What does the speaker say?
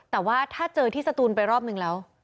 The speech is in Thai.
แต่ว่าถ้าเจอที่สตูนไปรอบนึงแล้ว